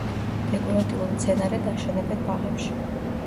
დეკორატიულ მცენარედ აშენებენ ბაღებში.